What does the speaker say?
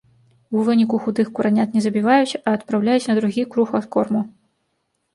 У выніку худых куранят ня забіваюць, а адпраўляюць на другі круг адкорму.